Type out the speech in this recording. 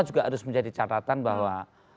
juga harus menjadi catatan bahwa